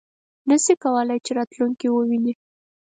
نه شي کولای چې راتلونکی وویني .